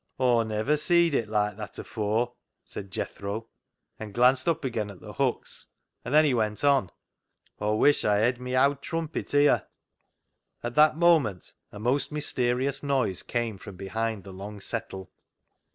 " Aw never seed it like that afore," said Jethro, and glanced up again at the hooks, and then he went on —" Aw wish Aw hed mi owd trumpet here !" At that moment a most mysterious noise came from behind the long settle.